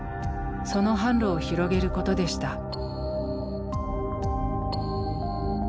その販路を広げることでした。